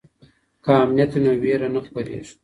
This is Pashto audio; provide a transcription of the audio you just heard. که امنیت وي نو ویره نه خپریږي.